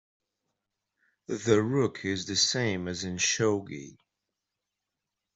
The rook is the same as in shogi.